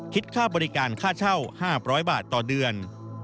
ค่าบริการค่าเช่า๕๐๐บาทต่อเดือน